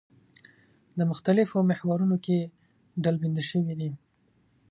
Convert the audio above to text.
د مختلفو محورونو کې ډلبندي شوي دي.